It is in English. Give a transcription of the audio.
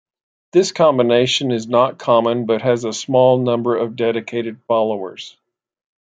This combination is not common but has a small number of dedicated followers.